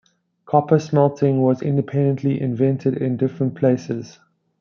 Copper smelting was independently invented in different places.